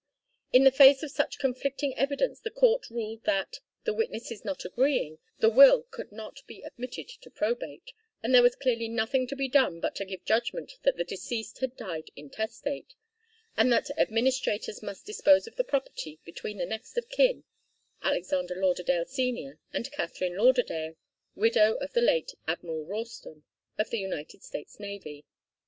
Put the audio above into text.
In the face of such conflicting evidence the court ruled that, the witnesses not agreeing, the will could not be admitted to probate, and there was clearly nothing to be done but to give judgment that the deceased had died intestate, and that administrators must dispose of the property between the next of kin, Alexander Lauderdale Senior, and Katharine Lauderdale, widow of the late Admiral Ralston of the United States Navy.